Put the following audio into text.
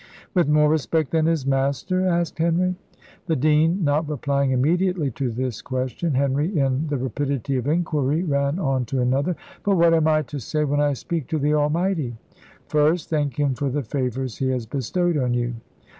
"With more respect than his Master?" asked Henry. The dean not replying immediately to this question, Henry, in the rapidity of inquiry, ran on to another: "But what am I to say when I speak to the Almighty?" "First, thank Him for the favours He has bestowed on you."